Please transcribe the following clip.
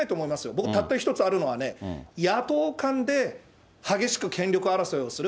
僕、たった一つあるのは、野党間で激しく権力争いをする。